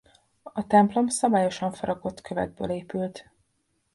A templom szabályosan faragott kövekből épült.